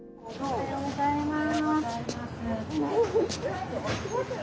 おはようございます。